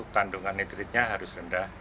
kandungan nitritnya harus rendah